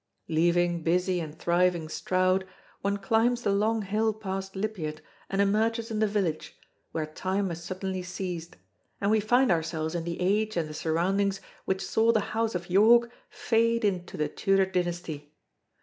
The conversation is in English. Leaving busy and thriving Stroud, one climbs the long hill past Lipiat and emerges in the village, where time has suddenly ceased, and we find ourselves in the age and the surroundings which saw the House of York fade into the Tudor dynasty.